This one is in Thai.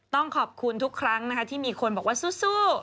ต้องขอบคุณทุกครั้งนะคะที่มีคนบอกว่าสู้